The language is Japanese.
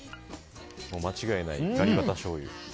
間違いないガリバタしょうゆ。